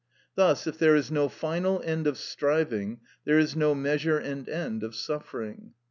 Thus, if there is no final end of striving, there is no measure and end of suffering.